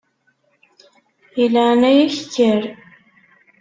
Di leɛnaya-k kker.